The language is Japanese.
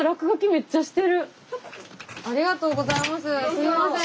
すいません。